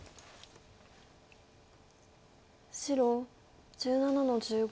白１７の十五。